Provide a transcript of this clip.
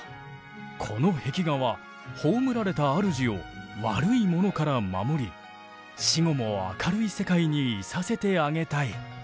この壁画は葬られた主を悪いものから守り死後も明るい世界にいさせてあげたい。